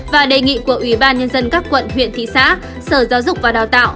và đề nghị của ủy ban nhân dân các quận huyện thị xã sở giáo dục và đào tạo